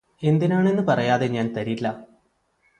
എന്തിനാണെന്ന് പറയാതെ ഞാന് തരില്ല